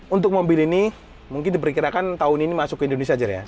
untuk mobil ini mungkin diperkirakan tahun ini masuk ke indonesia